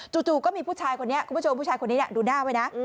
จู่ก็มีผู้ชายคนนี้คุณผู้ชมผู้ชายคนนี้ดูหน้าไว้นะ